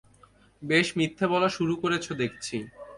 বেশ মিথ্যে বলা শুরু করেছ দেখছি।